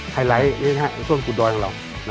ไฮไลท์นี้นะครับต้นกุดดอยของเรานะครับ